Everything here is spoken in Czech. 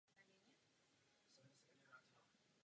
Informační gramotnost vychází z gramotnosti funkční.